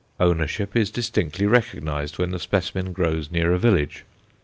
Ownership is distinctly recognized when the specimen grows near a village.